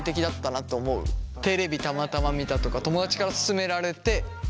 テレビたまたま見たとか友だちから勧められてとか。